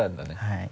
はい。